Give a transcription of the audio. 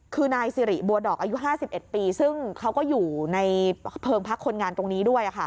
คือนายสิริบัวดอกอายุ๕๑ปีซึ่งเขาก็อยู่ในเพลิงพักคนงานตรงนี้ด้วย